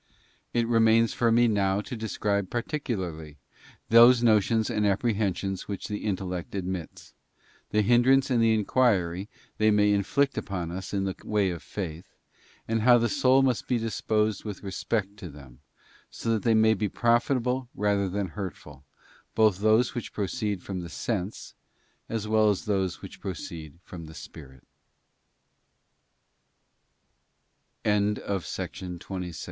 It remains for me now to describe particularly those notions and apprehensions which the intellect admits; the hindrance and the injury they may inflict upon us in the way of faith ; and how the soul must be disposed with respect to them, so that they may be profitable rather than hurtful, both those which proceed from the sense as well as th